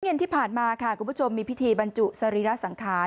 เย็นที่ผ่านมาค่ะคุณผู้ชมมีพิธีบรรจุสรีระสังขาร